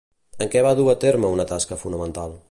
En què va dur a terme una tasca fonamental?